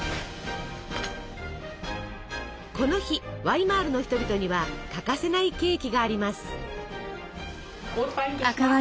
この日ワイーマルの人々には欠かせないケーキがあります。